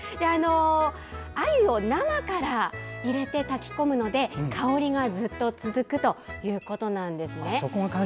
あゆを生から入れて炊き込むので香りがずっと続くということなんですね。